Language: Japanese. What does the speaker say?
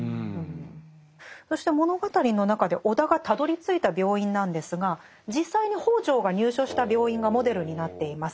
そして物語の中で尾田がたどりついた病院なんですが実際に北條が入所した病院がモデルになっています。